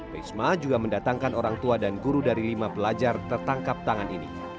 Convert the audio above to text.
risma juga mendatangkan orang tua dan guru dari lima pelajar tertangkap tangan ini